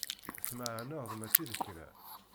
Tmeɛneḍ mačči d kra.